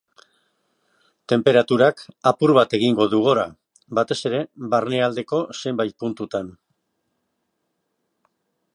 Tenperaturak apur bat egingo du gora, batez ere barnealdeko zenbait puntutan.